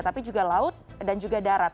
tapi juga laut dan juga darat